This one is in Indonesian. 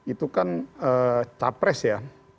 itu kan capres ya